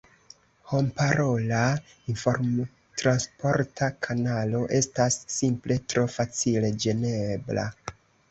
Homparola informtransporta kanalo estas simple tro facile ĝenebla.